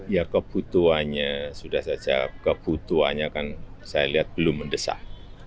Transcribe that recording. ya kebutuhannya sudah saja kebutuhannya kan saya lihat belum mendesak